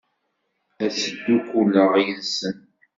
Ad ttdukkuleɣ yid-sen.